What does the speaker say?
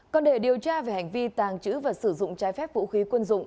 còn để điều tra về hành vi tàng trữ và sử dụng trái phép vũ khí quân dụng